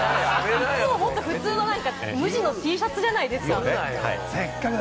いつも普通の無地のＴシャツじゃないですか。